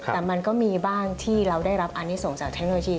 แต่มันก็มีบ้างที่เราได้รับอันนี้ส่งจากเทคโนโลยี